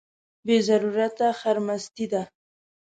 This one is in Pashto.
بې ضرورته خرمستي ده.